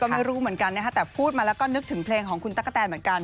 ไม่รู้เหมือนกันนะคะแต่พูดมาแล้วก็นึกถึงเพลงของคุณตั๊กกะแตนเหมือนกัน